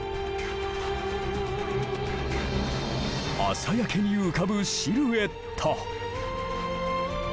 朝焼けに浮かぶシルエット。